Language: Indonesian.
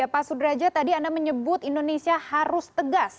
pak sudraja tadi anda menyebut indonesia harus tegas